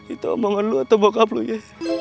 itu omongan lo atau bokap lo ya